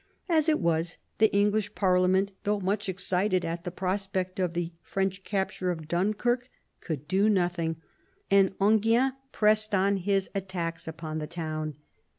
As it was, the English parliament, though much excited at the prospect of the French capture of Dunkirk, could do nothing, and Enghien pressed on his attacks upon the town.